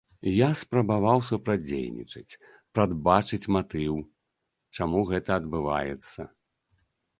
Я спрабаваў супрацьдзейнічаць, прадбачыць матыў, чаму гэта адбываецца.